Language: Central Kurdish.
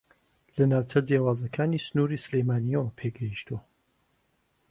لە ناوچە جیاوازەکانی سنووری سلێمانییەوە پێگەیشتووە